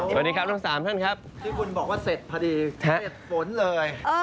สวัสดีครับทั้ง๓ท่านครับที่คุณบอกว่าเสร็จพอดีเสร็จฝนเลย